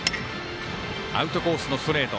アウトコースのストレート。